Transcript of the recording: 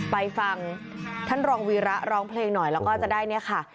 ไปฟังท่านรองวีระร้องเพลงหน่อยแล้วก็จะได้เนี่ยค่ะ